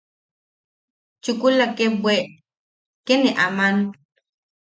Chukula kee bwe... kee ne aman...